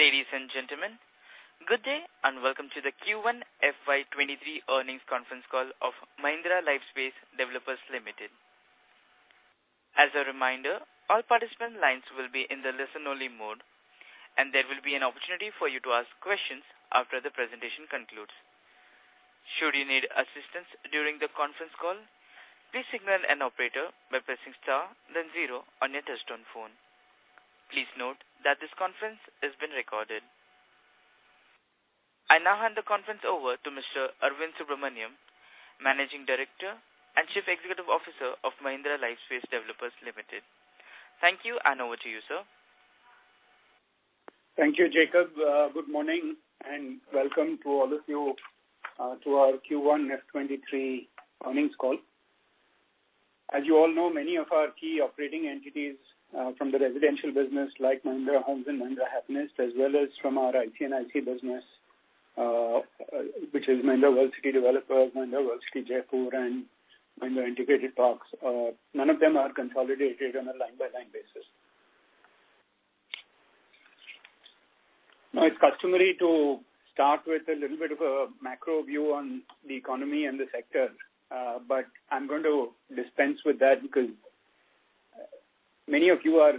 Ladies and gentlemen, good day, and welcome to the Q1 FY23 earnings conference call of Mahindra Lifespace Developers Limited. As a reminder, all participant lines will be in the listen-only mode, and there will be an opportunity for you to ask questions after the presentation concludes. Should you need assistance during the conference call, please signal an operator by pressing star, then zero on your touchtone phone. Please note that this conference is being recorded. I now hand the conference over to Mr. Arvind Subramanian, Managing Director and Chief Executive Officer of Mahindra Lifespace Developers Limited. Thank you, and over to you, sir. Thank you, Jacob. Good morning, and welcome to all of you to our Q1 FY 2023 earnings call. As you all know, many of our key operating entities from the residential business, like Mahindra Homes and Mahindra Happinest, as well as from our industrial business, which is Mahindra World City Developers, Mahindra World City Jaipur and Mahindra Integrated Parks, none of them are consolidated on a line-by-line basis. Now, it's customary to start with a little bit of a macro view on the economy and the sector, but I'm going to dispense with that because many of you are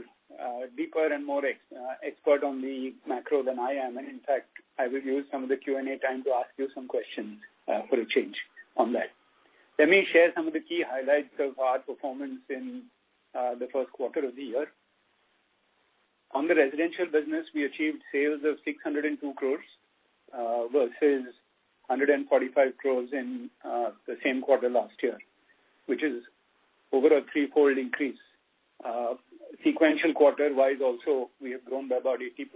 deeper and more expert on the macro than I am. In fact, I will use some of the Q&A time to ask you some questions for a change on that. Let me share some of the key highlights of our performance in the first quarter of the year. On the residential business, we achieved sales of 602 crore versus 145 crore in the same quarter last year, which is over a threefold increase. Sequential quarter-wise also, we have grown by about 80%+.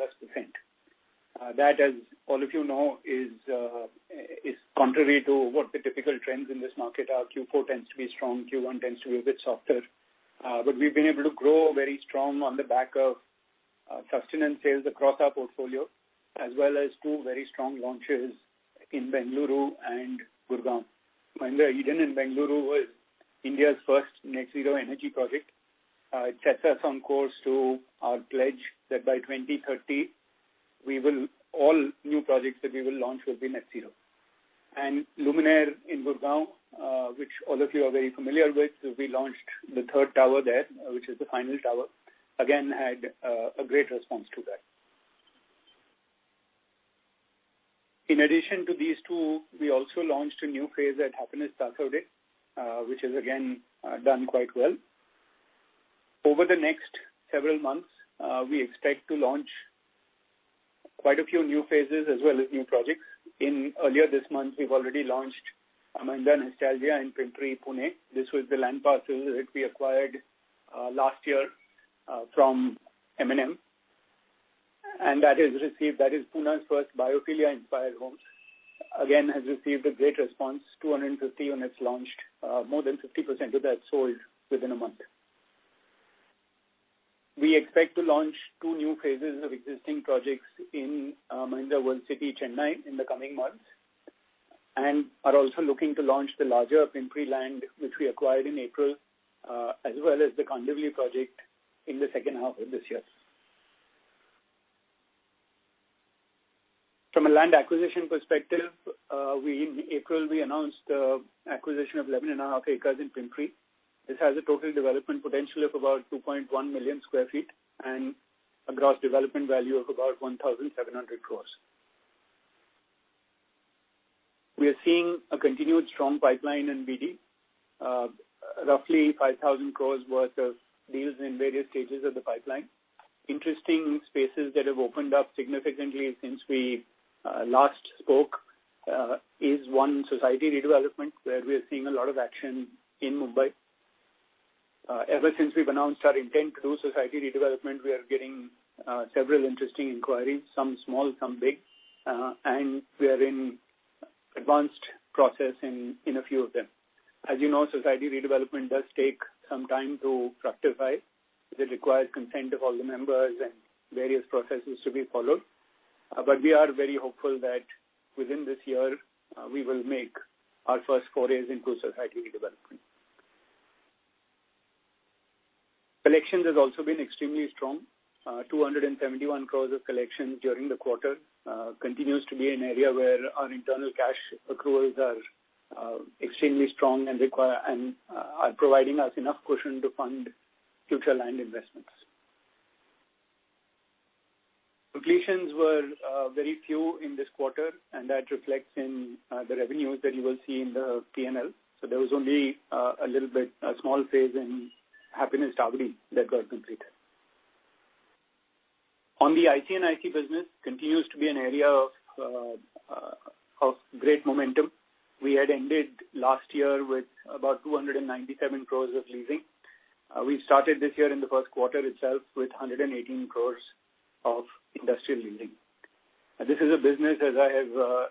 That, as all of you know, is contrary to what the typical trends in this market are. Q4 tends to be strong, Q1 tends to be a bit softer. But we've been able to grow very strong on the back of sustenance sales across our portfolio, as well as two very strong launches in Bengaluru and Gurgaon. Mahindra Eden in Bengaluru was India's first net zero energy project. It sets us on course to our pledge that by 2030, all new projects that we will launch will be net zero. And Luminare in Gurugram, which all of you are very familiar with, we launched the third tower there, which is the final tower. Again, had a great response to that. In addition to these two, we also launched a new phase at Happinest Kalyan, which has again done quite well. Over the next several months, we expect to launch quite a few new phases as well as new projects. Earlier this month, we've already launched Mahindra Nestalgia in Pimpri, Pune. This was the land parcel that we acquired last year from M&M, and that has received— That is Pune's first biophilia-inspired homes. Again, has received a great response. 250 units launched, more than 50% of that sold within a month. We expect to launch two new phases of existing projects in Mahindra World City, Chennai, in the coming months, and are also looking to launch the larger Pimpri land, which we acquired in April, as well as the Kandivali project in the second half of this year. From a land acquisition perspective, in April, we announced the acquisition of 11.5 acres in Pimpri. This has a total development potential of about 2.1 million sq ft and a gross development value of about 1,700 crores. We are seeing a continued strong pipeline in BD. Roughly 5,000 crores worth of deals in various stages of the pipeline. Interesting spaces that have opened up significantly since we last spoke is one society redevelopment, where we are seeing a lot of action in Mumbai. Ever since we've announced our intent to do society redevelopment, we are getting several interesting inquiries, some small, some big, and we are in advanced process in a few of them. As you know, society redevelopment does take some time to fructify. It requires consent of all the members and various processes to be followed. But we are very hopeful that within this year we will make our first forays into society redevelopment. Collections has also been extremely strong. 271 crores of collection during the quarter continues to be an area where our internal cash accruals are extremely strong and are providing us enough cushion to fund future land investments. Completions were very few in this quarter, and that reflects in the revenues that you will see in the PNL. So there was only a little bit, a small phase in Happinest Kalyan that got completed. On the IC and IC business continues to be an area of great momentum. We had ended last year with about 297 crores of leasing. We started this year in the first quarter itself with 118 crores of industrial leasing. This is a business, as I have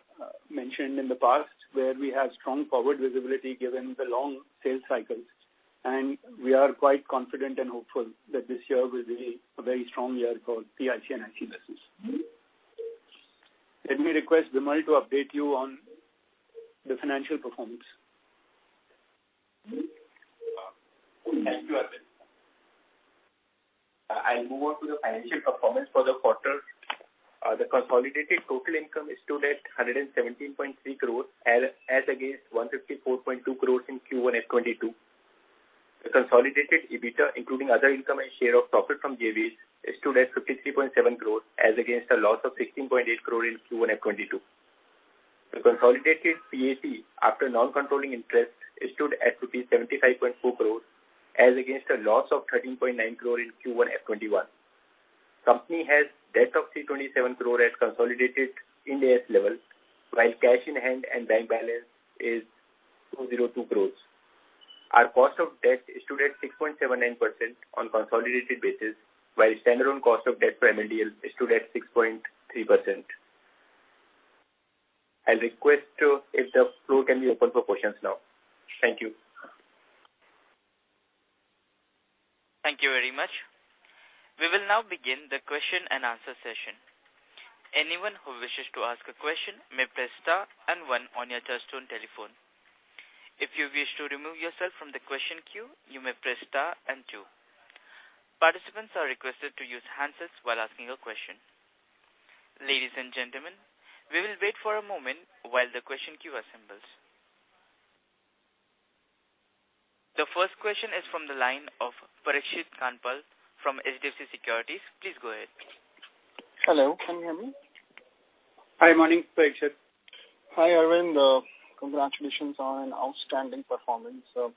mentioned in the past, where we have strong forward visibility given the long sales cycles, and we are quite confident and hopeful that this year will be a very strong year for the IT and IT business. Let me request Vimal to update you on the financial performance. Thank you, Arvind. I, I'll move on to the financial performance for the quarter. The consolidated total income is stood at 117.3 crores, as against 154.2 crores in Q1 FY 2022. The consolidated EBITDA, including other income and share of profit from JVs, stood at 53.7 crores, as against a loss of 16.8 crores in Q1 FY 2022. The consolidated PAT, after non-controlling interest, stood at rupees 75.4 crores, as against a loss of 13.9 crore in Q1 FY21. Company has debt of 327 crore at consolidated Ind AS level, while cash in hand and bank balance is 202 crores. Our cost of debt is stood at 6.79% on consolidated basis, while standalone cost of debt for MDL is stood at 6.3%. I'll request to if the floor can be open for questions now. Thank you. Thank you very much. We will now begin the question and answer session. Anyone who wishes to ask a question may press star and one on your touchtone telephone. If you wish to remove yourself from the question queue, you may press star and two. Participants are requested to use handsets while asking a question. Ladies and gentlemen, we will wait for a moment while the question queue assembles. The first question is from the line of Parikshit Kandpal from HDFC Securities. Please go ahead. Hello, can you hear me? Hi, morning, Parikshit. Hi, Arvind. Congratulations on an outstanding performance. So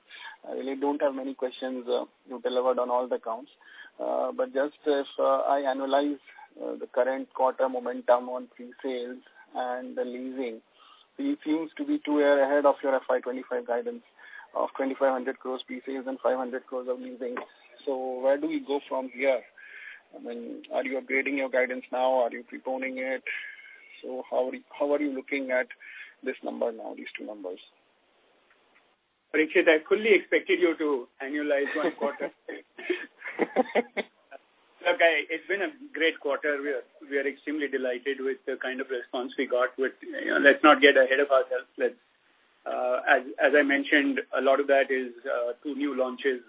I really don't have many questions. You delivered on all the counts. But just as I analyze the current quarter momentum on pre-sales and the leasing, it seems to be two year ahead of your FY 2025 guidance of 2,500 crores pre-sales and 500 crores of leasing. So where do we go from here? I mean, are you upgrading your guidance now? Are you preponing it? So how are you, how are you looking at this number now, these two numbers? Parikshit, I fully expected you to annualize one quarter. Look, it's been a great quarter. We are, we are extremely delighted with the kind of response we got. But, you know, let's not get ahead of ourselves. Let's... As, as I mentioned, a lot of that is two new launches,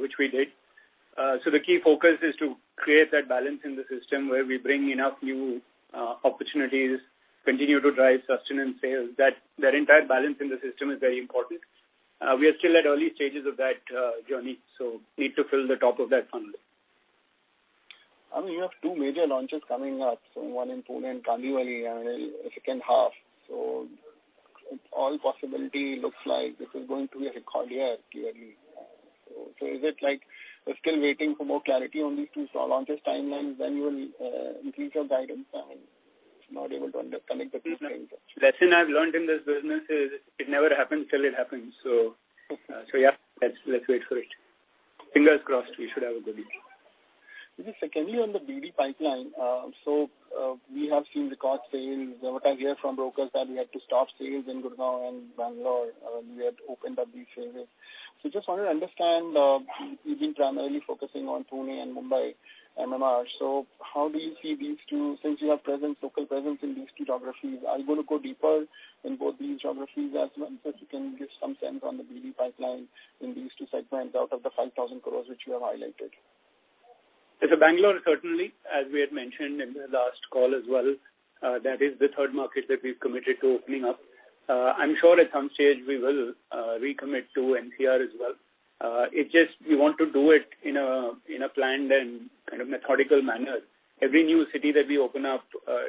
which we did. So the key focus is to create that balance in the system, where we bring enough new opportunities, continue to drive sustenance sales. That, that entire balance in the system is very important. We are still at early stages of that journey, so need to fill the top of that funnel. I mean, you have two major launches coming up, so one in Pune and Kandivali, in the second half. So all possibility looks like this is going to be a record year quarterly. So is it like we're still waiting for more clarity on these two launches timelines, then you will increase your guidance? I'm not able to connect the two points. lesson I've learned in this business is, it never happens till it happens. So yeah, let's, let's wait for it. Fingers crossed, we should have a good year. Just secondly, on the BD pipeline, so, we have seen record sales. What I hear from brokers that we had to stop sales in Gurgaon and Bangalore, we had opened up these phases. So just wanted to understand, you've been primarily focusing on Pune and Mumbai, MMR. So how do you see these two, since you have presence, local presence in these two geographies, are you going to go deeper in both these geographies as well? So if you can give some sense on the BD pipeline in these two segments out of the 5,000 crore, which you have highlighted. It's Bangalore, certainly, as we had mentioned in the last call as well, that is the third market that we've committed to opening up. I'm sure at some stage we will recommit to NCR as well. It just, we want to do it in a planned and kind of methodical manner. Every new city that we open up,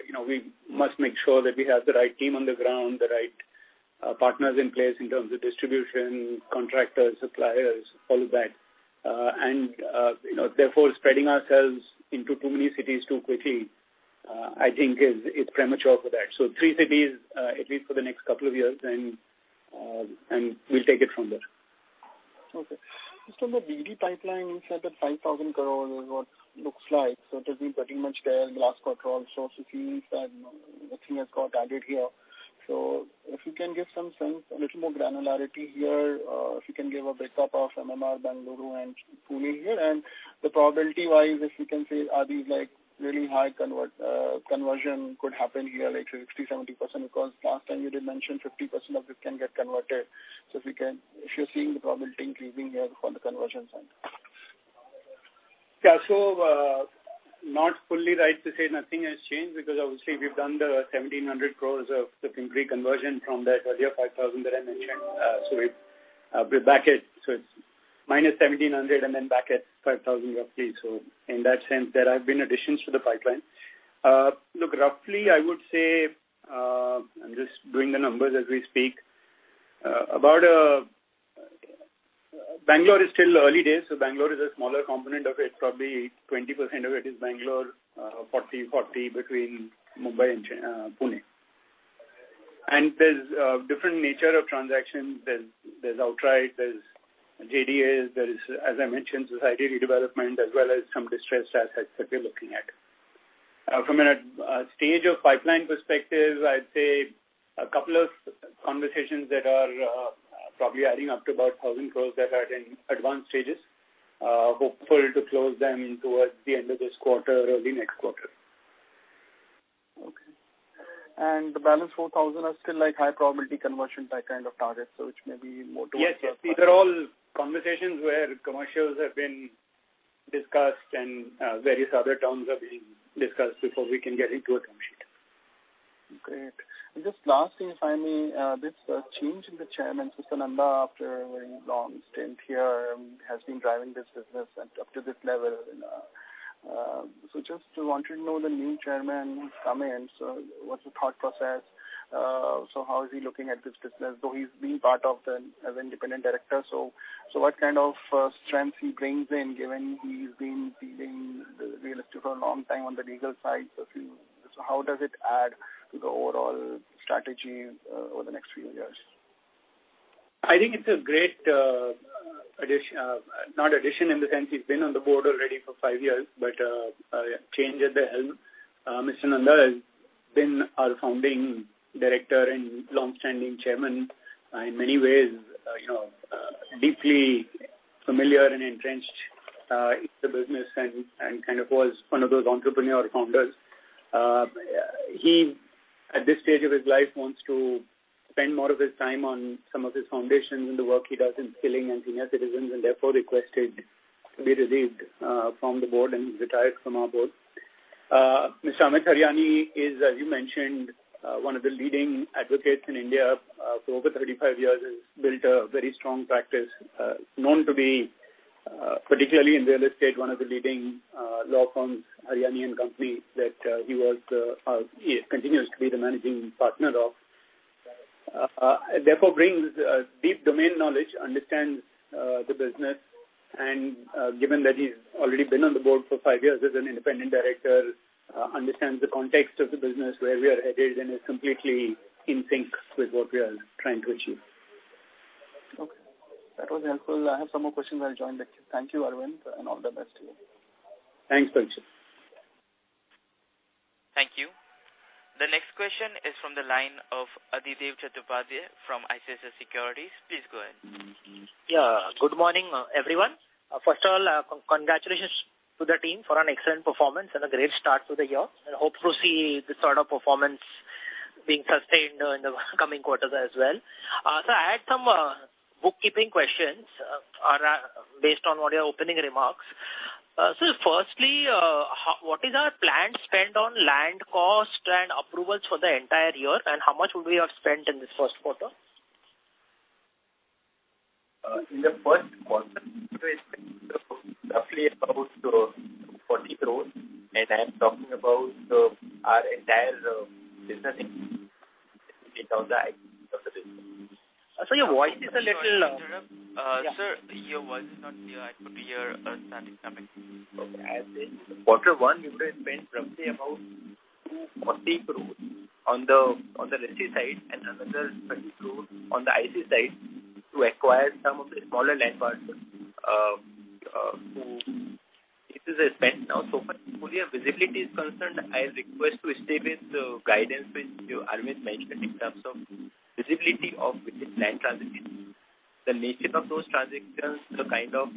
you know, we must make sure that we have the right team on the ground, the right partners in place in terms of distribution, contractors, suppliers, all of that. And, you know, therefore, spreading ourselves into too many cities too quickly, I think is, it's premature for that. So three cities, at least for the next couple of years, and we'll take it from there. Okay. Just on the BD pipeline, you said that 5,000 crore is what looks like. So it has been pretty much there last quarter also, so it means that nothing has got added here. So if you can give some sense, a little more granularity here, if you can give a breakup of MMR, Bengaluru, and Pune here. And the probability-wise, if you can say, are these, like, really high convert, conversion could happen here, like 60%, 70%? Because last time you did mention 50% of this can get converted. So if you're seeing the probability increasing here on the conversion side. Yeah, so, not fully right to say nothing has changed, because obviously, we've done the 1,700 crore of the complete conversion from that earlier 5,000 that I mentioned. So we're, we're back at-- So it's -1,700 and then back at 5,000 roughly. So in that sense, there have been additions to the pipeline. Look, roughly, I would say, I'm just doing the numbers as we speak. About... Bangalore is still early days, so Bangalore is a smaller component of it. Probably 20% of it is Bangalore, 40/40 between Mumbai and Chennai, Pune. And there's, different nature of transactions. There's, there's outright, there's JDA, there's, as I mentioned, society redevelopment, as well as some distressed assets that we're looking at. From a stage of pipeline perspective, I'd say a couple of conversations that are probably adding up to about 1,000 crore that are in advanced stages. Hopeful to close them towards the end of this quarter or the next quarter. Okay. And the balance 4,000 are still like high probability conversion type kind of targets, so which may be more towards- Yes, yes. These are all conversations where commercials have been discussed and various other terms are being discussed before we can get into a term sheet. Great. Just lastly, finally, this change in the chairman, Mr. Nanda, after a very long stint here, has been driving this business and up to this level. And, so just wanted to know, the new chairman come in, so what's the thought process? So how is he looking at this business? Though he's been part of as an independent director, so what kind of strengths he brings in, given he's been dealing with real estate for a long time on the legal side. So how does it add to the overall strategy, over the next few years? I think it's a great addition, not addition in the sense he's been on the board already for five years, but change at the helm. Mr. Nanda has been our founding director and long-standing chairman. In many ways, you know, deeply familiar and entrenched in the business and kind of was one of those entrepreneur founders. He, at this stage of his life, wants to spend more of his time on some of his foundations and the work he does in skilling and senior citizens, and therefore requested to be relieved from the board and he retired from our board. Mr. Ameet Hariani is, as you mentioned, one of the leading advocates in India, for over 35 years, has built a very strong practice, known to be, particularly in real estate, one of the leading, law firms, Hariani & Co., that, he was, he continues to be the managing partner of. Therefore, brings, deep domain knowledge, understands, the business, and, given that he's already been on the board for five years as an independent director, understands the context of the business, where we are headed, and is completely in sync with what we are trying to achieve. Okay. That was helpful. I have some more questions. I'll join the queue. Thank you, Arvind, and all the best to you. Thanks, Parikshit. Thank you. The next question is from the line of Adhidev Chattopadhyay from ICICI Securities. Please go ahead. Yeah, good morning, everyone. First of all, congratulations to the team for an excellent performance and a great start to the year, and hope to see this sort of performance being sustained in the coming quarters as well. So I had some bookkeeping questions on based on what your opening remarks. So firstly, what is our planned spend on land cost and approvals for the entire year, and how much would we have spent in this first quarter? In the first quarter, we spent roughly about INR 40 crores, and I'm talking about our entire business in without the ICICI. Sir, your voice is a little. Sir, your voice is not clear. I could hear static coming. As in quarter one, we would have spent roughly about 240 crores on the, on the real estate side and another 30 crores on the IC side to acquire some of the smaller land parcels. So this is a spend now. So as far as visibility is concerned, I request to stay with the guidance which Arvind mentioned in terms of visibility of within land transactions. The nature of those transactions, the kind of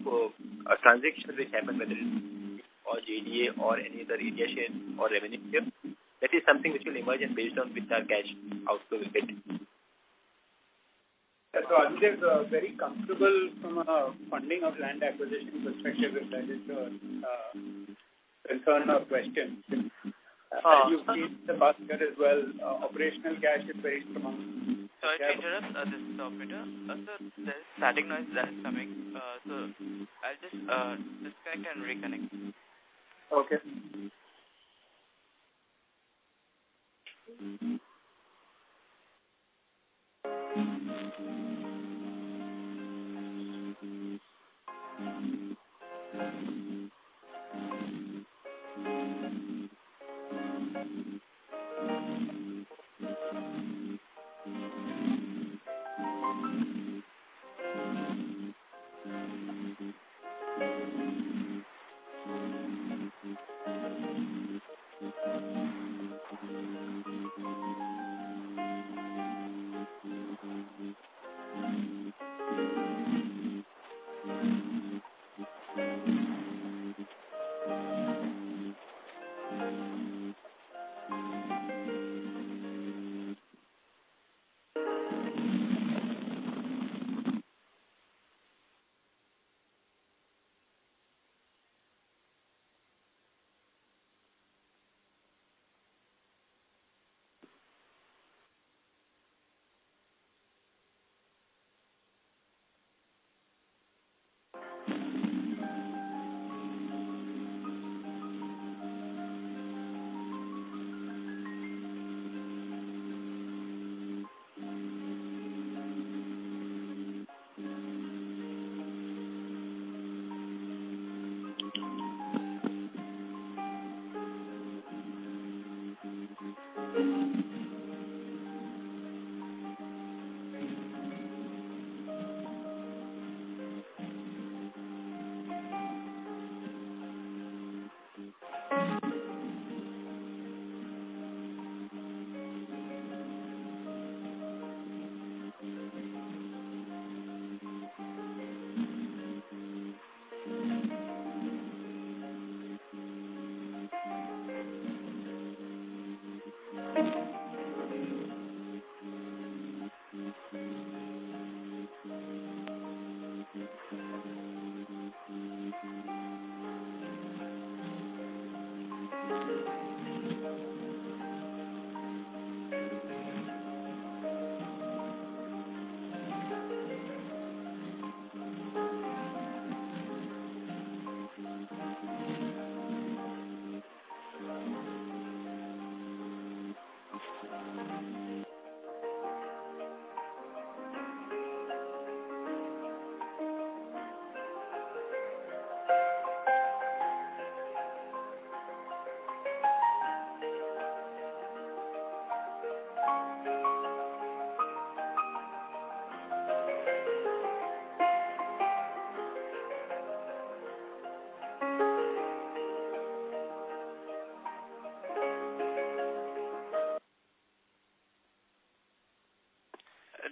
transactions which happen, whether it's outright or JDA or any other arrangement or revenue share, that is something which will emerge and based on which our cash outflow will fit. So I'm just very comfortable from a funding of land acquisition perspective, if that is your concern or question. You've seen in the past year as well, operational cash is very strong. Sorry to interrupt. This is the operator. Sir, there is static noise that is coming. So I'll just, disconnect and reconnect. Okay.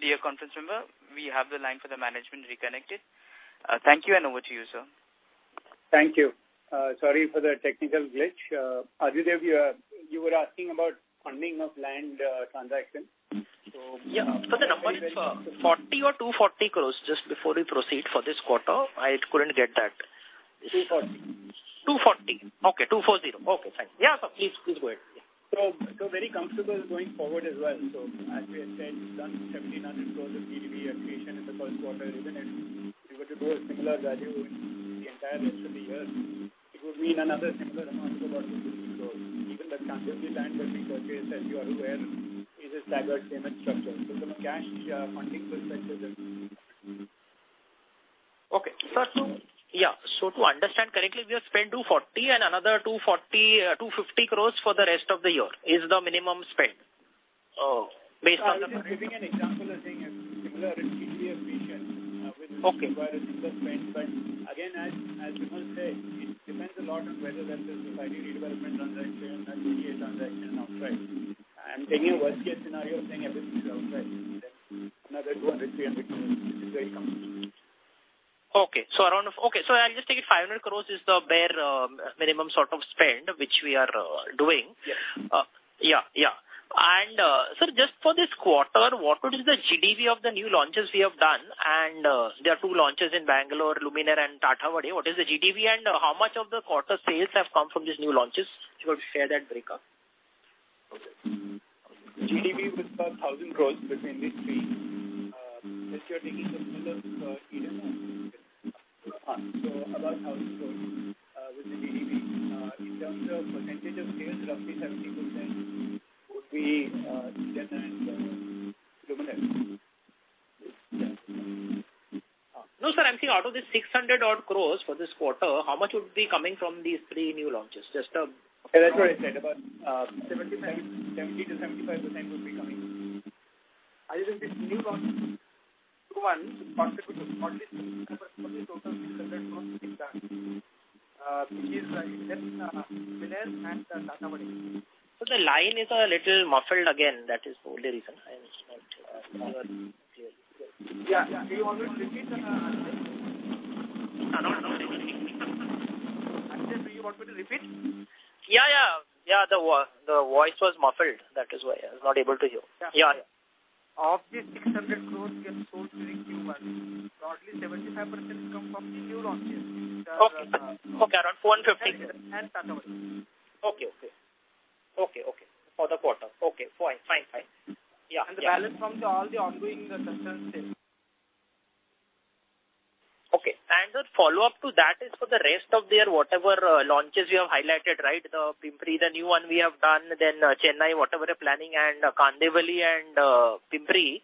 Dear conference member, we have the line for the management reconnected. Thank you, and over to you, sir. Thank you. Sorry for the technical glitch. Adhidev, you were asking about funding of land transaction. So- Yeah. So the number is 40 crore or 240 crore just before we proceed for this quarter? I couldn't get that. 240. 240. Okay, 240. Okay, thank you. Yeah, sir, please, please go ahead. So, so very comfortable going forward as well. So as we have said, we've done 1,700 crores of GDV accretion in the first quarter, even if we were to do a similar value in the entire rest of the year, it would mean another similar amount of about INR 250 crores. Even the Kavesar land that we purchased, as you are aware, is a staggered payment structure. So the cash, funding will take care of that. Okay. Sir, so yeah, so to understand correctly, we have spent 240 crores and another 240 crores, 250 crores for the rest of the year, is the minimum spend, based on the- I was just giving an example of saying a similar GDV accretion, which- Okay. require a similar spend. But again, as, as Vimal said, it depends a lot on whether there's this 5 GDV development transaction, a GDV transaction and outright. I'm taking a worst case scenario, saying everything is outright. Then another INR 200-300 crores is very comfortable. Okay, so I'll just take it 500 crore is the bare minimum sort of spend, which we are doing. Yes. Yeah, yeah. Sir, just for this quarter, what would be the GDV of the new launches we have done? There are two launches in Bangalore, Luminare and Tathawade. What is the GDV and how much of the quarter sales have come from these new launches? If you would share that breakup. Okay. GDV is about 1,000 crore between these three. Unless you're taking the similar Eden? Uh, yes. About 1,000 crore with the GDV. In terms of percentage of sales, roughly 70% would be Chennai and Luminare. No, sir, I'm saying out of the 600-odd crore for this quarter, how much would be coming from these three new launches? Just, Yeah, that's what I said, about 70%-75% would be coming. Eden, this new launch in Q1, approximately 75% of the total INR 600 crore is done, which is in Eden, Luminare and Tathawade. Sir, the line is a little muffled again. That is the only reason I am not clear. Yeah, yeah. Do you want me to repeat? No, no. Ajaydev, do you want me to repeat? Yeah, yeah. Yeah, the voice was muffled. That is why I was not able to hear. Yeah. Yeah, yeah. Of the 600 crore we have sold during Q1, broadly 75% come from new launches. Okay, okay, around 450. And Tathawade. Okay, okay. Okay, okay. For the quarter. Okay, fine. Fine, fine. Yeah, yeah. The balance from all the ongoing customer sales. Okay. And the follow-up to that is for the rest of their whatever, launches you have highlighted, right? The Pimpri, the new one we have done, then, Chennai, whatever you're planning, and Kandivali and, Pimpri.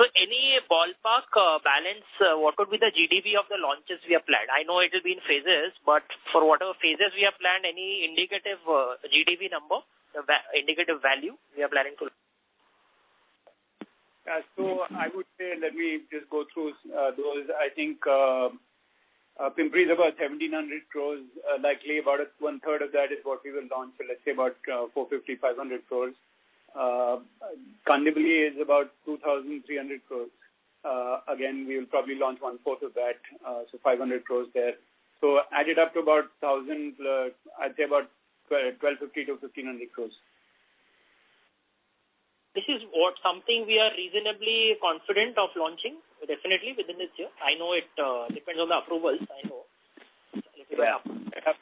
So any ballpark, balance, what would be the GDV of the launches we have planned? I know it will be in phases, but for whatever phases we have planned, any indicative, GDV number, the indicative value we are planning to? So I would say, let me just go through those. I think Pimpri is about 1,700 crore. Likely about one third of that is what we will launch, so let's say about 450, 500 crore. Kandivali is about 2,300 crore. Again, we will probably launch one fourth of that, so 500 crore there. So added up to about 1,000, I'd say about 1,250-1,500 crore. This is what, something we are reasonably confident of launching? Definitely within this year. I know it, depends on the approvals. I know. Yeah.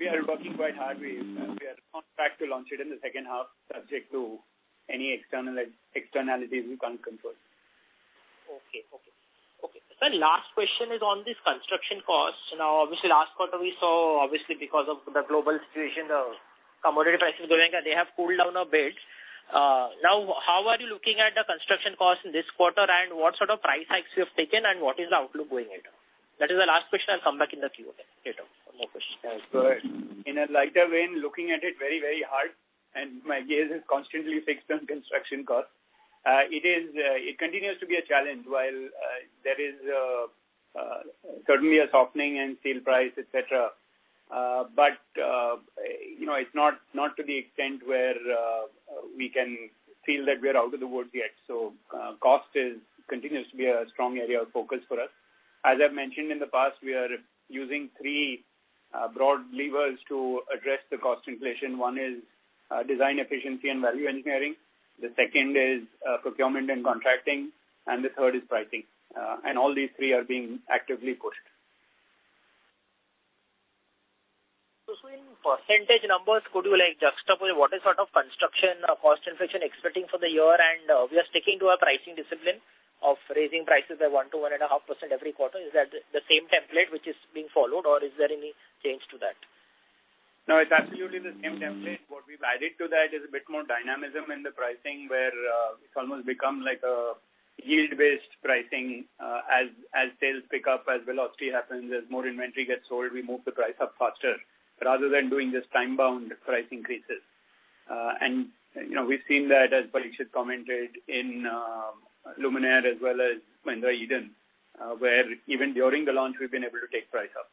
We are working quite hard. We, we are on track to launch it in the second half, subject to any external externalities we can't control. Okay, okay. Okay. Sir, last question is on this construction cost. Now, obviously, last quarter we saw, obviously, because of the global situation, the commodity prices going up, they have cooled down a bit. Now, how are you looking at the construction cost in this quarter? And what sort of price hikes you have taken, and what is the outlook going ahead? That is the last question. I'll come back in the queue again later for more questions. Good. In a lighter vein, looking at it very, very hard, and my gaze is constantly fixed on construction cost. It is, it continues to be a challenge while, there is, certainly a softening in steel price, et cetera. But, you know, it's not, not to the extent where, we can feel that we are out of the woods yet. So, cost is continues to be a strong area of focus for us. As I've mentioned in the past, we are using three, broad levers to address the cost inflation. One is, design efficiency and value engineering. The second is, procurement and contracting, and the third is pricing. And all these three are being actively pushed. So in percentage numbers, could you, like, juxtapose what is sort of construction or cost inflation expecting for the year? And we are sticking to our pricing discipline of raising prices by 1-1.5% every quarter. Is that the same template which is being followed, or is there any change to that? No, it's absolutely the same template. What we've added to that is a bit more dynamism in the pricing, where it's almost become like a yield-based pricing. As sales pick up, as velocity happens, as more inventory gets sold, we move the price up faster, rather than doing just time-bound price increases. And, you know, we've seen that, as Pareekshit commented, in Luminare as well as Mahindra Eden, where even during the launch, we've been able to take price up.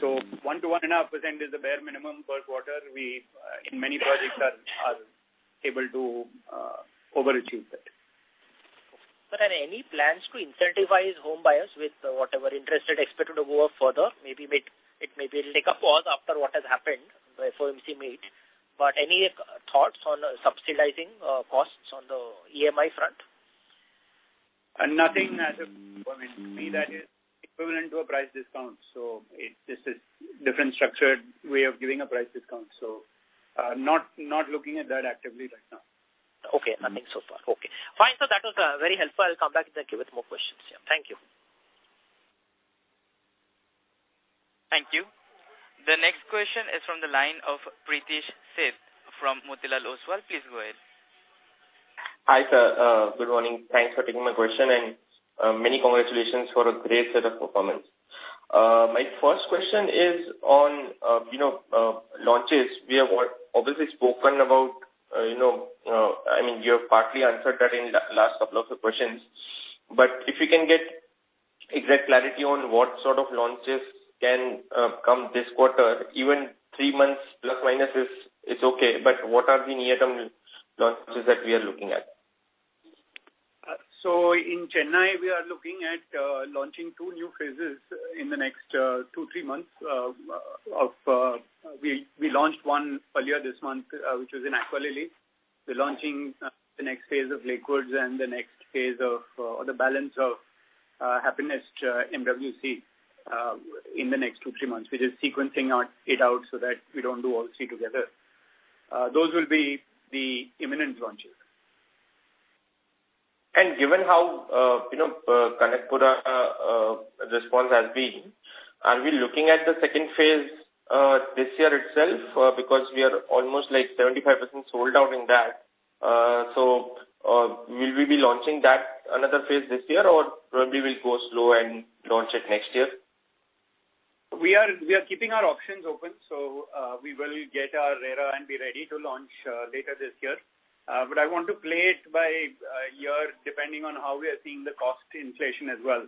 So 1%-1.5% is the bare minimum per quarter. We in many projects are able to overachieve that. Sir, are there any plans to incentivize home buyers with whatever interest rate expected to go up further? Maybe it may take a pause after what has happened, the FOMC meet, but any thoughts on subsidizing costs on the EMI front? Nothing as of... I mean, to me, that is equivalent to a price discount, so it—this is different structured way of giving a price discount. So, not looking at that actively right now. Okay. Nothing so far. Okay. Fine, so that was very helpful. I'll come back with more questions. Thank you. Thank you. The next question is from the line of Pritesh Sheth from Motilal Oswal. Please go ahead. Hi, sir. Good morning. Thanks for taking my question, and many congratulations for a great set of performance. My first question is on, you know, you know, I mean, you have partly answered that in the last couple of the questions. But if you can get exact clarity on what sort of launches can come this quarter, even three months, plus minus is, it's okay, but what are the near-term launches that we are looking at? So in Chennai, we are looking at launching two new phases in the next two to three months. We launched one earlier this month, which was in Aqualily. We're launching the next phase of Lakewoods and the next phase of, or the balance of Happinest MWC, in the next two to three months. We're just sequencing it out so that we don't do all three together. Those will be the imminent launches. Given how, you know, Kanakapura response has been, are we looking at the second phase this year itself? Because we are almost, like, 75% sold out in that. So, will we be launching that another phase this year, or probably we'll go slow and launch it next year? We are keeping our options open, so we will get our RERA and be ready to launch later this year. But I want to play it by ear, depending on how we are seeing the cost inflation as well.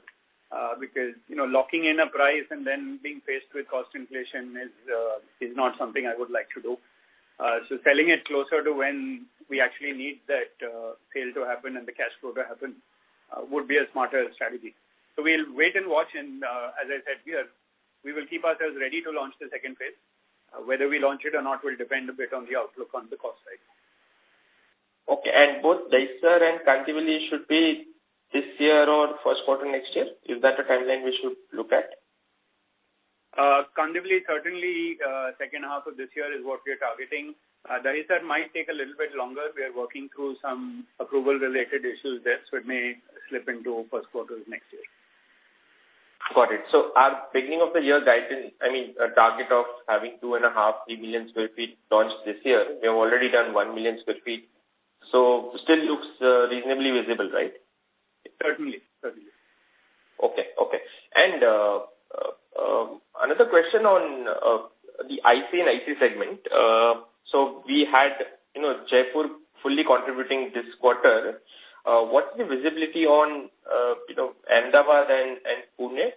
Because, you know, locking in a price and then being faced with cost inflation is not something I would like to do. So selling it closer to when we actually need that sale to happen and the cash flow to happen would be a smarter strategy. So we'll wait and watch and, as I said, we will keep ourselves ready to launch the second phase. Whether we launch it or not will depend a bit on the outlook on the cost side. Okay. And both Dahisar and Kandivali should be this year or first quarter next year? Is that a timeline we should look at? Kandivali, certainly, second half of this year is what we are targeting. Dahisar might take a little bit longer. We are working through some approval-related issues there, so it may slip into first quarter of next year. Got it. So our beginning of the year guidance, I mean, a target of having 2.5-3 million sq ft launched this year, we have already done 1 million sq ft, so still looks reasonably visible, right? Certainly. Certainly. Okay. Okay. And another question on the IC and IC segment. So we had, you know, Jaipur fully contributing this quarter. What's the visibility on, you know, Ahmedabad and Pune?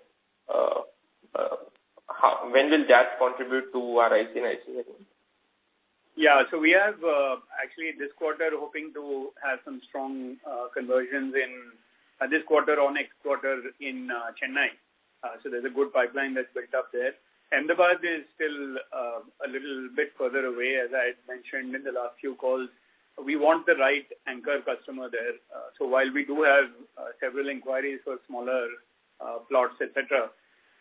When will that contribute to our IC and IC segment? Yeah. So we have actually this quarter, hoping to have some strong conversions in this quarter or next quarter in Chennai. So there's a good pipeline that's built up there. Ahmedabad is still a little bit further away, as I had mentioned in the last few calls. We want the right anchor customer there. So while we do have several inquiries for smaller plots, et cetera,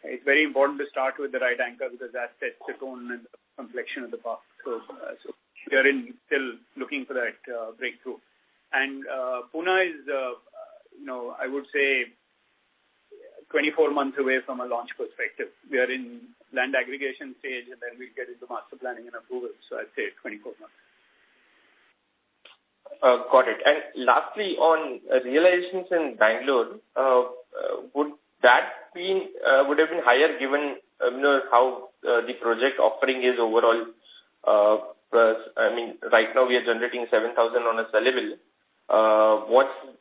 it's very important to start with the right anchor, because that sets the tone and complexion of the park. So we are still looking for that breakthrough. And Pune is, you know, I would say 24 months away from a launch perspective. We are in land aggregation stage, and then we get into master planning and approval, so I'd say 24 months. Got it. And lastly, on realizations in Bangalore, would have been higher given, you know, how the project offering is overall, plus, I mean, right now we are generating 7,000 on a sellable.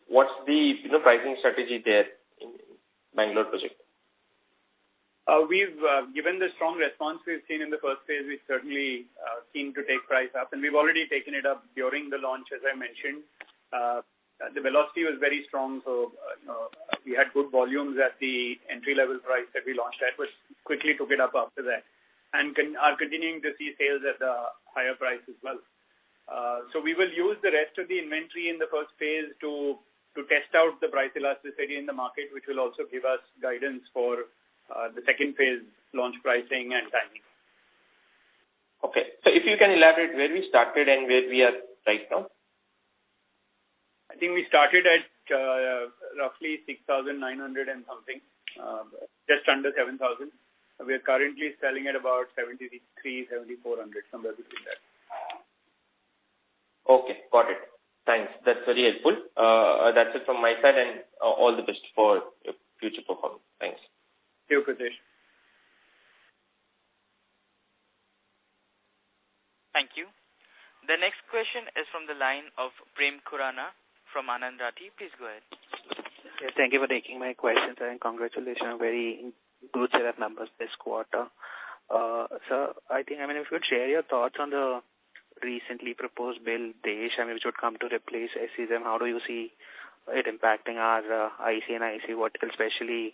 What's the, you know, pricing strategy there in Bangalore project? We've given the strong response we've seen in the first phase, we certainly seem to take price up, and we've already taken it up during the launch, as I mentioned. The velocity was very strong, so we had good volumes at the entry-level price that we launched at, but quickly took it up after that, and are continuing to see sales at the higher price as well. So we will use the rest of the inventory in the first phase to test out the price elasticity in the market, which will also give us guidance for the second phase launch pricing and timing. Okay. If you can elaborate where we started and where we are right now? I think we started at roughly 6,900-something, just under 7,000. We are currently selling at about 7,300-7,400, somewhere between that. Okay, got it. Thanks. That's very helpful. That's it from my side, and all the best for your future performance. Thanks. Thank you, Pritesh. Thank you. The next question is from the line of Prem Khurana from Anand Rathi. Please go ahead. Yeah, thank you for taking my questions, and congratulations on very good set of numbers this quarter. So I think, I mean, if you could share your thoughts on the recently proposed bill, DESH, I mean, which would come to replace SEZ. How do you see it impacting our ICE and ICE vertical, especially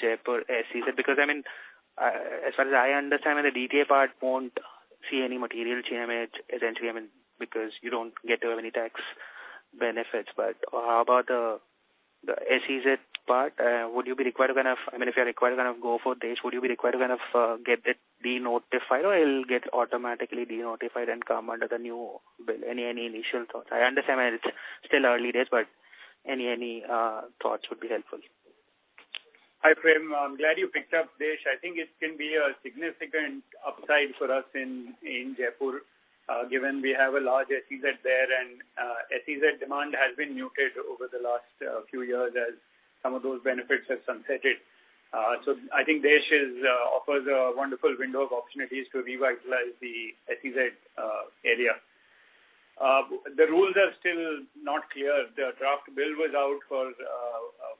Jaipur SEZ? Because, I mean, as far as I understand, the DTA part won't see any material change, I mean, essentially, I mean, because you don't get any tax benefits. But how about the SEZ part? Would you be required to kind of—I mean, if you are required to kind of go for DESH, would you be required to kind of get it denotified, or it'll get automatically denotified and come under the new bill? Any initial thoughts? I understand it's still early days, but any thoughts would be helpful. Hi, Prem. I'm glad you picked up DESH. I think it can be a significant upside for us in Jaipur, given we have a large SEZ there, and SEZ demand has been muted over the last few years as some of those benefits have sunsetted. So I think DESH offers a wonderful window of opportunities to revitalize the SEZ area. The rules are still not clear. The draft bill was out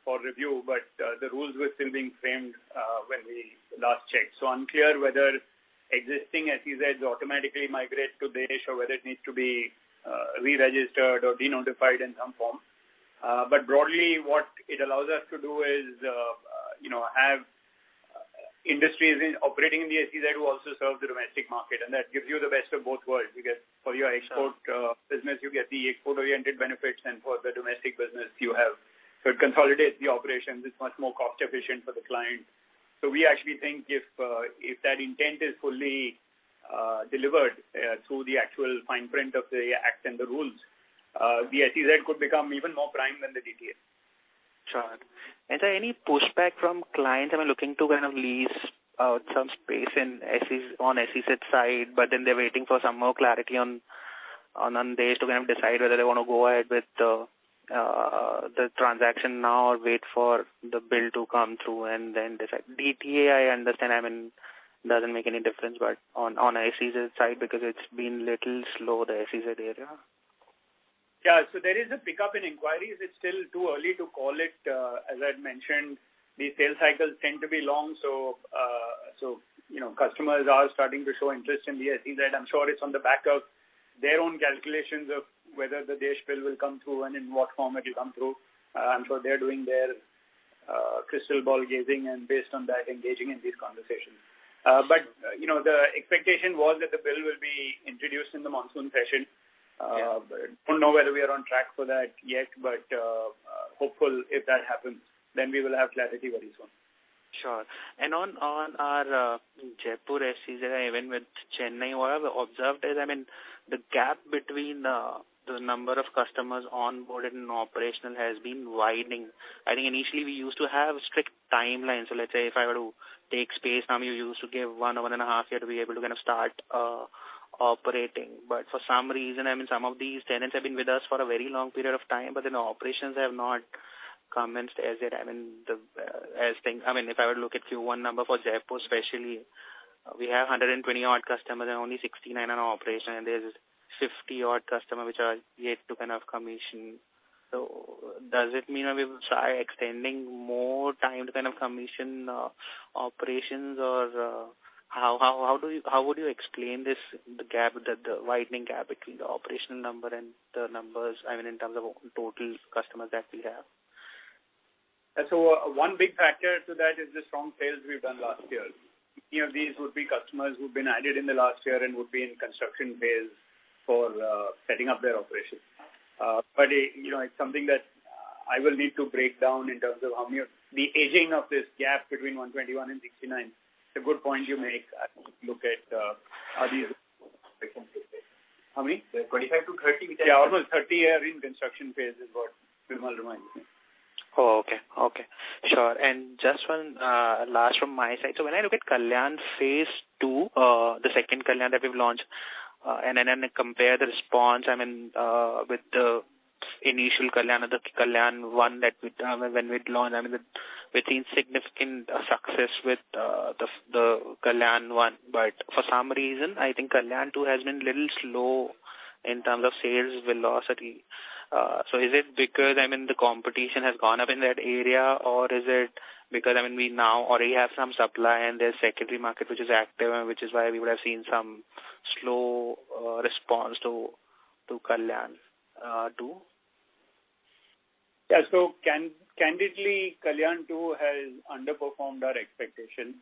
for review, but the rules were still being framed when we last checked. So unclear whether existing SEZs automatically migrate to DESH or whether it needs to be reregistered or denotified in some form. But broadly, what it allows us to do is, you know, have industries operating in the SEZ who also serve the domestic market, and that gives you the best of both worlds. You get, for your export, business, you get the export-oriented benefits, and for the domestic business, you have... So it consolidates the operations. It's much more cost efficient for the client. So we actually think if that intent is fully delivered through the actual fine print of the act and the rules, the SEZ could become even more prime than the DTA. Sure. And is there any pushback from clients who are looking to kind of lease some space in SEZ, on SEZ side, but then they're waiting for some more clarity on DESH to kind of decide whether they want to go ahead with the transaction now or wait for the bill to come through and then decide. DTA, I understand, I mean, doesn't make any difference, but on SEZ side, because it's been little slow, the SEZ area. Yeah, so there is a pickup in inquiries. It's still too early to call it, as I'd mentioned, the sales cycles tend to be long. So, so, you know, customers are starting to show interest in the SEZ. I'm sure it's on the back of their own calculations of whether the DESH Bill will come through and in what form it will come through. I'm sure they're doing their, crystal ball gazing and based on that, engaging in these conversations. But, you know, the expectation was that the bill will be introduced in the monsoon session. Yeah. Don't know whether we are on track for that yet, but hopeful if that happens, then we will have clarity very soon. Sure. On our Jaipur SEZ, even with Chennai, what I've observed is, I mean, the gap between the number of customers onboarded and operational has been widening. I think initially we used to have strict timelines. So let's say if I were to take space, I mean, you used to give one, one and a half year to be able to kind of start operating. But for some reason, I mean, some of these tenants have been with us for a very long period of time, but then operations have not commenced as yet. I mean, as things, I mean, if I were to look at Q1 number for Jaipur, especially, we have 120-odd customers and only 69 are in operation, and there's 50-odd customers which are yet to kind of commission. So does it mean that we will try extending more time to kind of commission operations? Or, how would you explain this, the gap, the widening gap between the operational number and the numbers, I mean, in terms of total customers that we have? So one big factor to that is the strong sales we've done last year. You know, these would be customers who've been added in the last year and would be in construction phase for setting up their operations. But, you know, it's something that I will need to break down in terms of how many of the aging of this gap between 121 and 69. It's a good point you make. I look at how these How many? 25-30. Yeah, almost 30 are in construction phase is what Vimal reminds me. Oh, okay. Okay, sure. And just one last from my side. So when I look at Kalyan phase 2, the second Kalyan that we've launched, and then compare the response, I mean, with the initial Kalyan, the Kalyan 1 that we, when we launched, I mean, we've seen significant success with the Kalyan 1. But for some reason, I think Kalyan 2 has been little slow in terms of sales velocity. So is it because, I mean, the competition has gone up in that area? Or is it because, I mean, we now already have some supply and there's secondary market which is active and which is why we would have seen some slow response to Kalyan 2? Yeah, so candidly, Kalyan 2 has underperformed our expectation.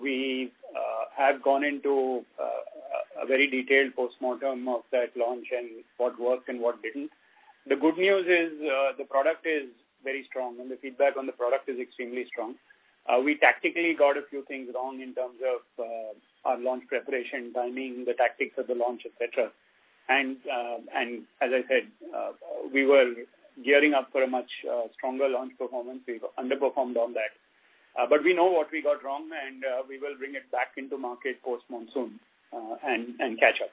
We have gone into a very detailed postmortem of that launch and what worked and what didn't. The good news is, the product is very strong, and the feedback on the product is extremely strong. We tactically got a few things wrong in terms of our launch preparation, timing, the tactics of the launch, et cetera. And as I said, we were gearing up for a much stronger launch performance. We underperformed on that. But we know what we got wrong, and we will bring it back into market post-monsoon and catch up.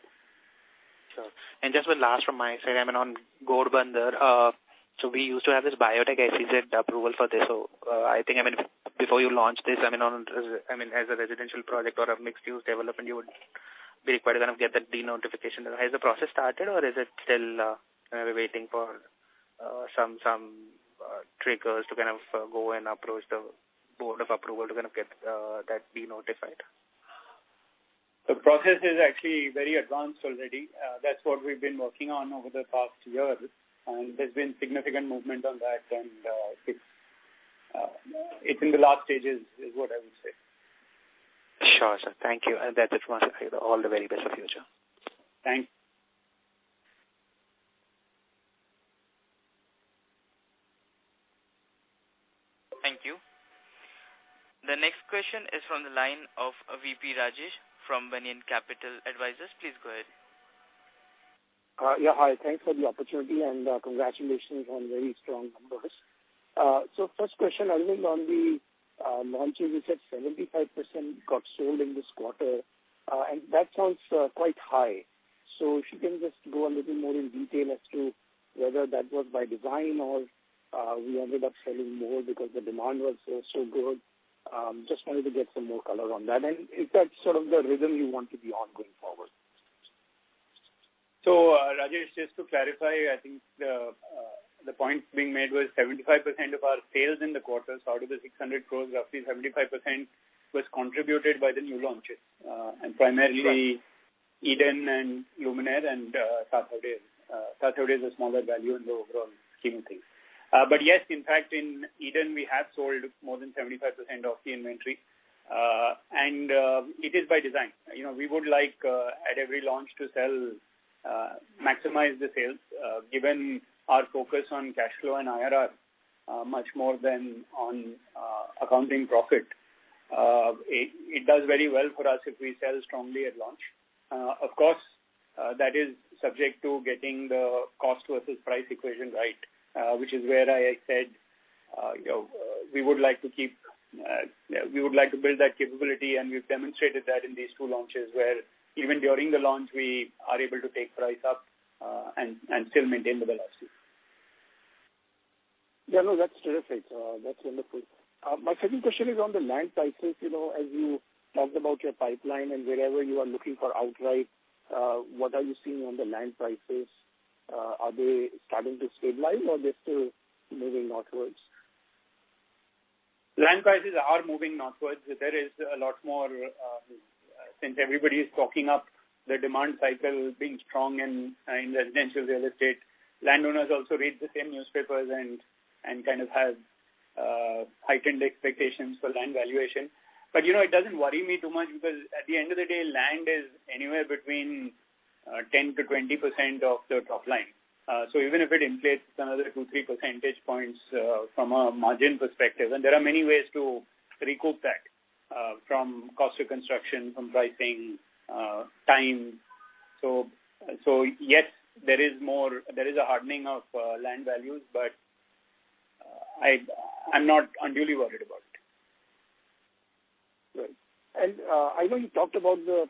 Sure. And just one last from my side, I mean, on Goregaon, so we used to have this biotech SEZ approval for this. So, I think, I mean, before you launch this, I mean, on, I mean, as a residential project or a mixed-use development, you would be required to kind of get that de-notification. Has the process started or is it still, kind of waiting for, some, some, triggers to kind of go and approach the Board of Approval to kind of get, that de-notified? The process is actually very advanced already. That's what we've been working on over the past year, and there's been significant movement on that, and it's in the last stages, is what I would say. Sure, sir. Thank you. That's it from my side. All the very best for future. Thanks. Thank you. The next question is from the line of V.P. Rajesh from Banyan Capital Advisors. Please go ahead. Yeah, hi. Thanks for the opportunity, and congratulations on very strong numbers. So first question, I think on the launches, you said 75% got sold in this quarter, and that sounds quite high. So if you can just go a little more in detail as to whether that was by design or we ended up selling more because the demand was so, so good. Just wanted to get some more color on that. And is that sort of the rhythm you want to be on going forward? So, Rajesh, just to clarify, I think, the point being made was 75% of our sales in the quarter, out of the 600 crore, roughly 75% was contributed by the new launches, and primarily- Right. Eden and Luminare and Tathawade. Tathawade is a smaller value in the overall scheme of things. But yes, in fact, in Eden, we have sold more than 75% of the inventory. And it is by design. You know, we would like at every launch to sell, maximize the sales, given our focus on cash flow and IRR, much more than on accounting profit. It does very well for us if we sell strongly at launch. Of course, that is subject to getting the cost versus price equation right, which is where I said, you know, we would like to keep, we would like to build that capability, and we've demonstrated that in these two launches, where even during the launch, we are able to take price up, and, and still maintain the velocity. Yeah, no, that's terrific. That's wonderful. My second question is on the land prices. You know, as you talked about your pipeline and wherever you are looking for outright, what are you seeing on the land prices? Are they starting to stabilize or they're still moving northwards? Land prices are moving northwards. There is a lot more, since everybody is talking up the demand cycle being strong in residential real estate. Landowners also read the same newspapers and kind of have heightened expectations for land valuation. But you know, it doesn't worry me too much, because at the end of the day, land is anywhere between 10%-20% of the top line. So even if it inflates another two to three percentage points, from a margin perspective, and there are many ways to recoup that, from cost of construction, from pricing, time. So yes, there is more, there is a hardening of land values, but I'm not unduly worried about it. Great. And, I know you talked about the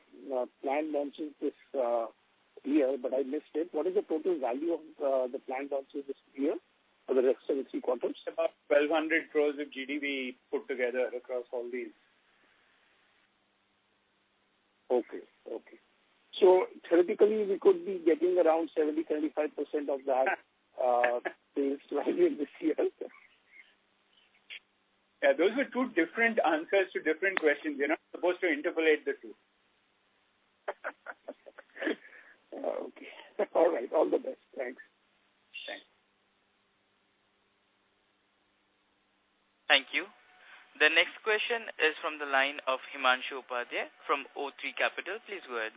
planned launches this year, but I missed it. What is the total value of the planned launches this year for the rest of the three quarters? It's about 1,200 crores of GDV put together across all these. Okay. Okay. So theoretically, we could be getting around 70-35% of that sales volume this year? Yeah, those are two different answers to different questions. You're not supposed to interpolate the two. Okay. All right. All the best. Thanks. Thanks. Thank you. The next question is from the line of Himanshu Upadhyay from O3 Capital. Please go ahead.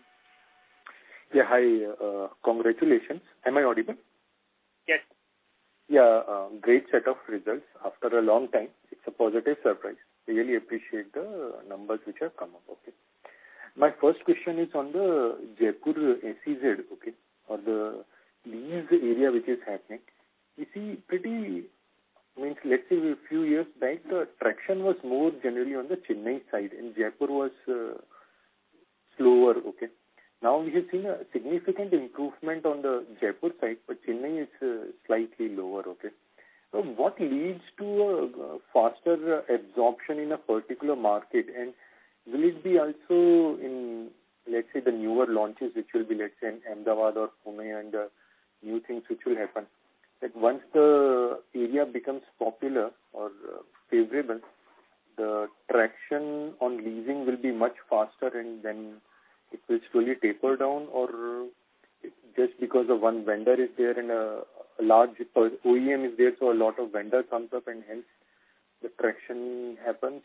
Yeah, hi. Congratulations. Am I audible? Yes. Yeah, great set of results. After a long time, it's a positive surprise. Really appreciate the numbers which have come up, okay. My first question is on the Jaipur SEZ, okay, or the leased area which is happening. We see pretty... means, let's say a few years back, the traction was more generally on the Chennai side, and Jaipur was, slower, okay? Now we have seen a significant improvement on the Jaipur site, but Chennai is slightly lower, okay. So what leads to a faster absorption in a particular market? And will it be also in, let's say, the newer launches, which will be, let's say, in Ahmedabad or Pune, and new things which will happen? That once the area becomes popular or favorable, the traction on leasing will be much faster, and then it will slowly taper down, or just because the one vendor is there in a large OEM is there, so a lot of vendor comes up, and hence, the traction happens.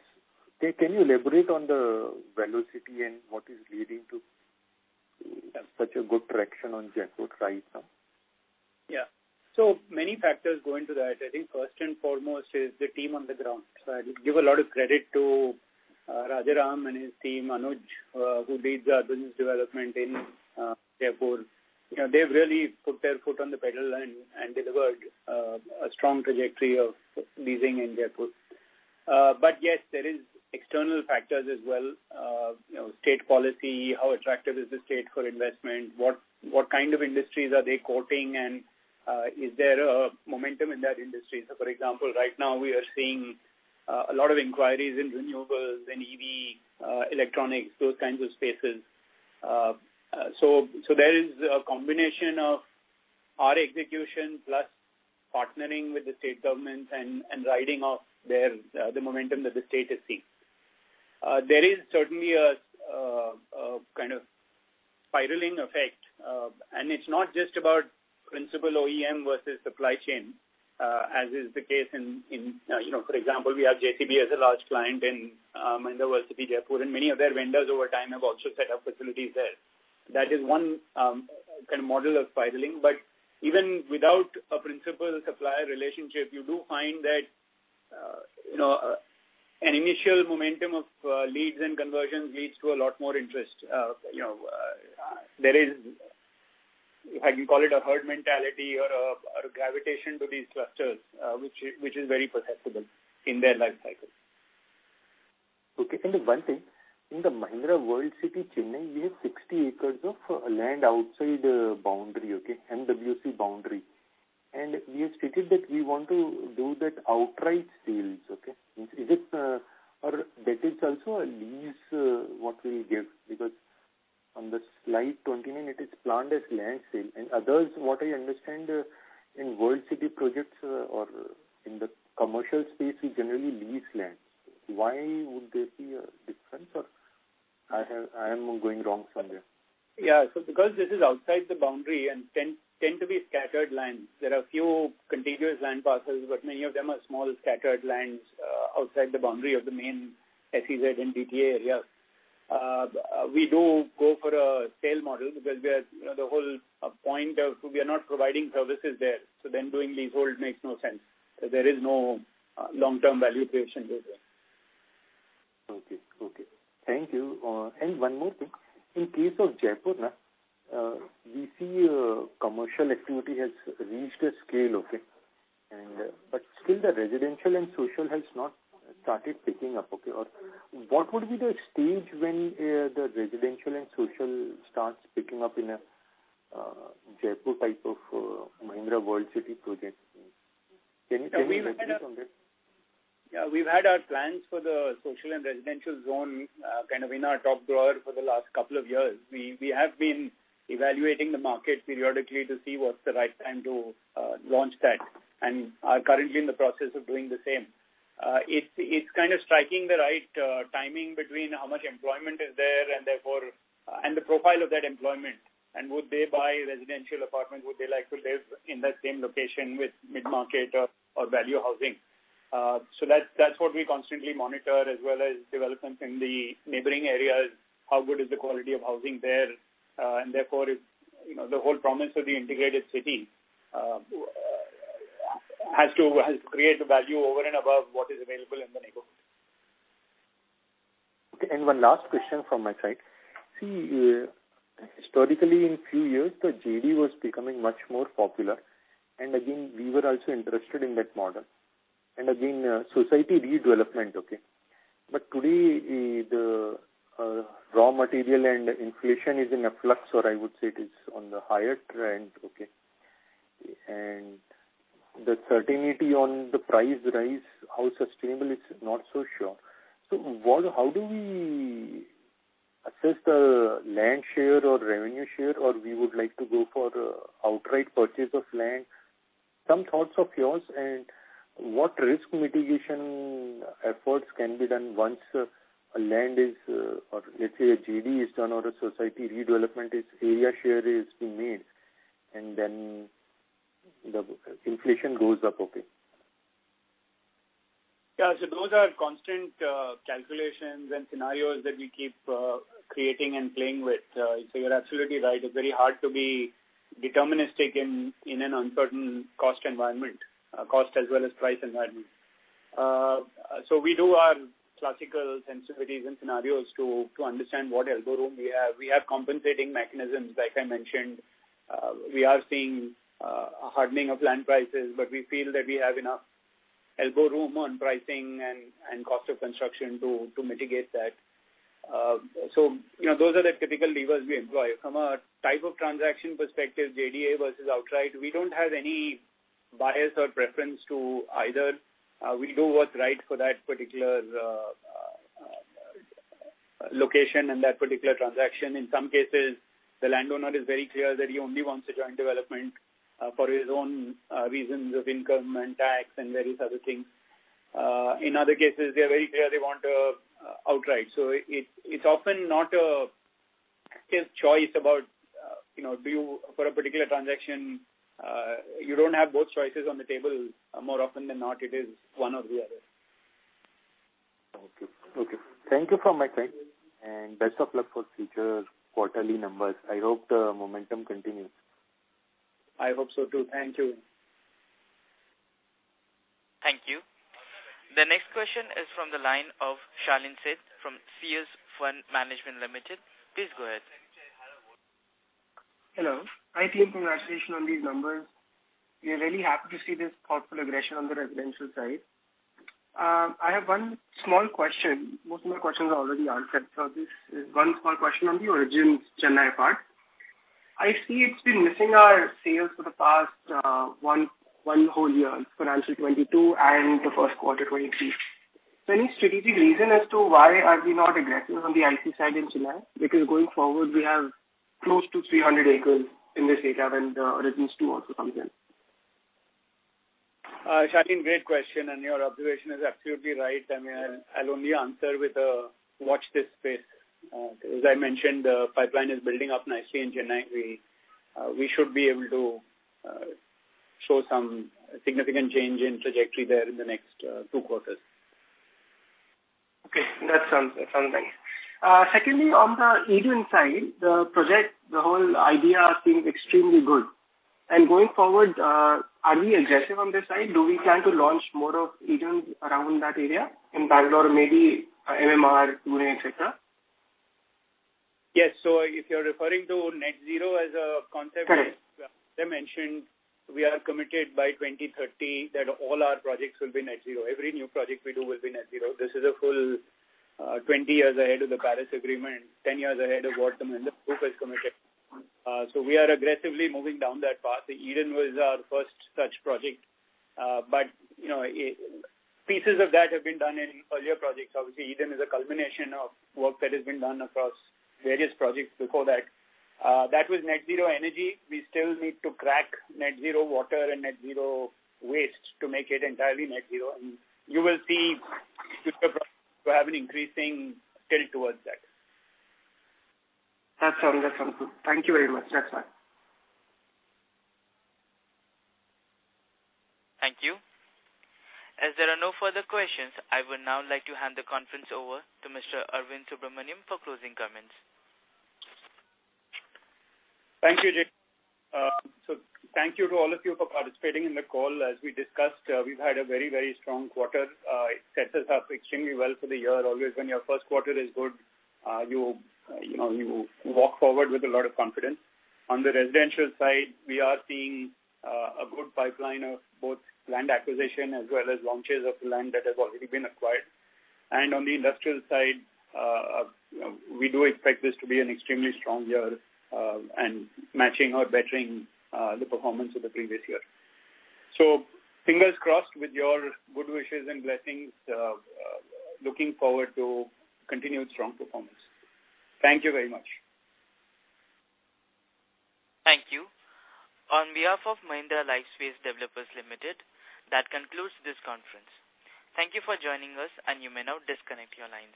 Can you elaborate on the velocity and what is leading to such a good traction on Jaipur right now? Yeah. So many factors go into that. I think first and foremost is the team on the ground. So I give a lot of credit to Rajaram and his team, Anuj, who leads the business development in Jaipur. You know, they've really put their foot on the pedal and delivered a strong trajectory of leasing in Jaipur. But yes, there is external factors as well. You know, state policy, how attractive is the state for investment? What kind of industries are they courting? And is there a momentum in that industry? So, for example, right now we are seeing a lot of inquiries in renewables and EV, electronics, those kinds of spaces. So, there is a combination of our execution plus partnering with the state government and riding off their the momentum that the state is seeing. There is certainly a kind of spiraling effect, and it's not just about principal OEM versus supply chain, as is the case in, you know, for example, we have JCB as a large client in, in the World City, Jaipur, and many of their vendors over time have also set up facilities there. That is one kind of model of spiraling. But even without a principal supplier relationship, you do find that, you know, an initial momentum of leads and conversions leads to a lot more interest. You know, there is, how you call it, a herd mentality or a gravitation to these clusters, which is very perceptible in their life cycle. Okay, and one thing. In the Mahindra World City, Chennai, we have 60 acres of land outside the boundary, okay, MWC boundary. And we have stated that we want to do that outright sales, okay? Is it or that is also a lease, what we'll give? Because on the slide 29, it is planned as land sale. And others, what I understand, in World City projects or in the commercial space, we generally lease land. Why would there be a difference, or I am going wrong somewhere? Yeah. So because this is outside the boundary and tend to be scattered lands. There are a few contiguous land parcels, but many of them are small, scattered lands outside the boundary of the main SEZ and DTA area. We do go for a sale model because we are, you know, the whole point of -- we are not providing services there, so then doing leasehold makes no sense. So there is no long-term value creation there. Okay, okay. Thank you. And one more thing. In case of Jaipur, we see, commercial activity has reached a scale, okay, and, but still the residential and social has not started picking up, okay? Or what would be the stage when, the residential and social starts picking up in a, Jaipur type of, Mahindra World City project? Can you, can you elaborate on this? Yeah. We've had our plans for the social and residential zone, kind of in our top drawer for the last couple of years. We have been evaluating the market periodically to see what's the right time to launch that, and are currently in the process of doing the same. It's kind of striking the right timing between how much employment is there, and therefore, and the profile of that employment. And would they buy residential apartments? Would they like to live in that same location with mid-market or value housing? So that, that's what we constantly monitor, as well as developments in the neighboring areas. How good is the quality of housing there? Therefore, if, you know, the whole promise of the integrated city has to create value over and above what is available in the neighborhood. Okay, and one last question from my side. See, historically, in few years, the JD was becoming much more popular, and again, we were also interested in that model. And again, society redevelopment, okay? But today, the raw material and inflation is in a flux, or I would say it is on the higher trend, okay? And the certainty on the price rise, how sustainable, it's not so sure. So what - how do we assess the land share or revenue share, or we would like to go for the outright purchase of land? Some thoughts of yours, and what risk mitigation efforts can be done once a land is, or let's say a JD is done or a society redevelopment is, area share is being made, and then the inflation goes up, okay? Yeah, so those are constant calculations and scenarios that we keep creating and playing with. So you're absolutely right. It's very hard to be deterministic in an uncertain cost environment, cost as well as price environment. So we do our classical sensitivities and scenarios to understand what elbow room we have. We have compensating mechanisms. Like I mentioned, we are seeing a hardening of land prices, but we feel that we have enough elbow room on pricing and cost of construction to mitigate that. So, you know, those are the typical levers we employ. From a type of transaction perspective, JDA versus outright, we don't have any bias or preference to either. We do what's right for that particular location and that particular transaction. In some cases, the landowner is very clear that he only wants a joint development, for his own, reasons of income and tax and various other things. In other cases, they are very clear they want, outright. So it, it's often not a clear choice about, you know, for a particular transaction, you don't have both choices on the table. More often than not, it is one or the other. Okay. Okay. Thank you for my time, and best of luck for future quarterly numbers. I hope the momentum continues. I hope so, too. Thank you. Thank you. The next question is from the line of Shaleen Seth from Seers Fund Management Limited. Please go ahead. Hello. I think congratulations on these numbers. We are really happy to see this thoughtful aggression on the residential side. I have one small question. Most of my questions are already answered, so this is one small question on the Origins Chennai part. I see it's been missing our sales for the past one whole year, financial 2022 and the first quarter, 2023. So any strategic reason as to why are we not aggressive on the IC side in Chennai? Because going forward, we have close to 300 acres in this data when Origins two also comes in. Shalin, great question, and your observation is absolutely right. I mean, I'll only answer with, watch this space. As I mentioned, the pipeline is building up nicely in Chennai. We, we should be able to show some significant change in trajectory there in the next two quarters. Okay, that sounds nice. Secondly, on the Eden side, the project, the whole idea seems extremely good. And going forward, are we aggressive on this side? Do we plan to launch more of Eden around that area, in Bangalore, maybe MMR, Pune, et cetera? Yes. So if you're referring to net zero as a concept- Correct. As I mentioned, we are committed by 2030, that all our projects will be net zero. Every new project we do will be net zero. This is a full, 20 years ahead of the Paris Agreement and 10 years ahead of what the group has committed. So we are aggressively moving down that path. Eden was our first such project. But, you know, pieces of that have been done in earlier projects. Obviously, Eden is a culmination of work that has been done across various projects before that. That was net zero energy. We still need to crack net zero water and net zero waste to make it entirely net zero, and you will see future projects will have an increasing tilt towards that. That sounds good. Thank you very much. That's fine. Thank you. As there are no further questions, I would now like to hand the conference over to Mr. Arvind Subramanian for closing comments. Thank you, Jay. So thank you to all of you for participating in the call. As we discussed, we've had a very, very strong quarter. It sets us up extremely well for the year. Always when your first quarter is good, you know, you walk forward with a lot of confidence. On the residential side, we are seeing a good pipeline of both land acquisition as well as launches of the land that has already been acquired. And on the industrial side, we do expect this to be an extremely strong year, and matching or bettering the performance of the previous year. So fingers crossed with your good wishes and blessings, looking forward to continued strong performance. Thank you very much. Thank you. On behalf of Mahindra Lifespace Developers Limited, that concludes this conference. Thank you for joining us, and you may now disconnect your lines.